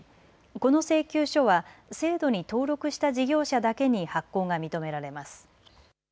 この請求書は制度に登録した事業者だけに発行が認められます。